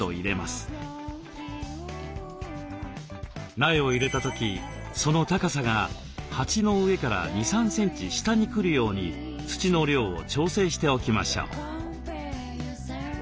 苗を入れた時その高さが鉢の上から２３センチ下に来るように土の量を調整しておきましょう。